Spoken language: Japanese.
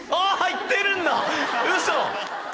行ってるんだ嘘！？